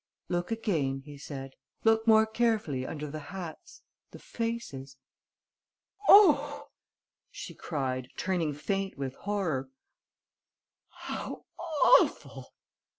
"Look again," he said. "Look more carefully under the hats ... the faces...." "Oh!" she cried, turning faint with horror, "how awful!"